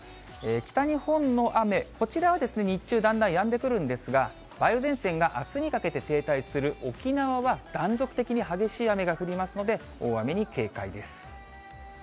北日本の雨、こちらは日中、だんだんやんでくるんですが、梅雨前線があすにかけて停滞する沖縄は、断続的に激しい雨が降りますので、大雨に警戒です。